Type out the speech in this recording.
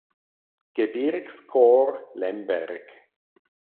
Gebirgskorps Lemberg.